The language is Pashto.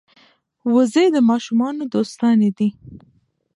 وزې د ماشومانو دوستانې دي